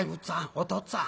「お父っつぁん」。